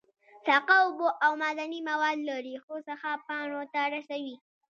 ساقه اوبه او معدني مواد له ریښو څخه پاڼو ته رسوي